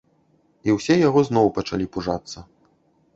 І ўсе яго зноў пачалі пужацца.